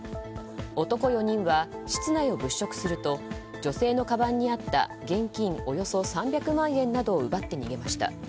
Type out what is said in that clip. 男４人は室内を物色すると女性のカバンにあった現金およそ３００万円などを奪って逃げました。